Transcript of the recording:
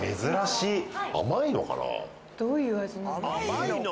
どういう味なんだろう？